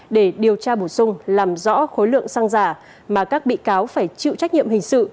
để điều tra bổ sung làm rõ khối lượng xăng giả mà các bị cáo phải chịu trách nhiệm hình sự